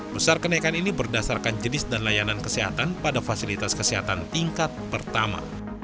besar kenaikan ini berdasarkan jenis dan layanan kesehatan pada fasilitas kesehatan tingkat pertama